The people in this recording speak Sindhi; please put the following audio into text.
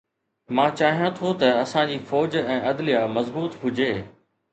مان چاهيان ٿو ته اسان جي فوج ۽ عدليه مضبوط هجي.